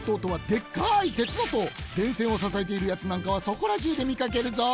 でんせんをささえているやつなんかはそこらじゅうでみかけるぞ！